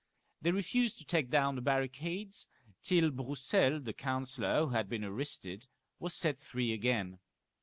They refused to take down the barricades, till Broussel, the counsellor who had been arrested, was set free again.